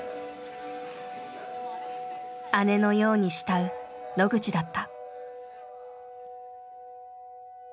姉のように慕う野口だった。